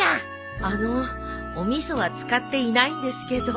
あのお味噌は使っていないんですけど。